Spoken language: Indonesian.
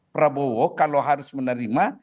prabowo kalau harus menerima